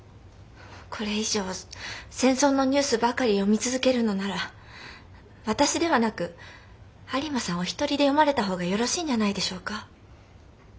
これ以上戦争のニュースばかり読み続けるのなら私ではなく有馬さんお一人で読まれた方がよろしいんじゃないでしょうか？